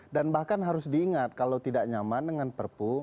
dan bahkan harus diingat kalau tidak nyaman dengan perpu